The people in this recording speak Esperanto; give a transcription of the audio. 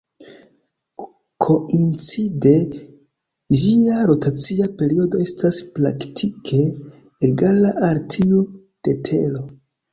Koincide, ĝia rotacia periodo estas praktike egala al tiu de Tero.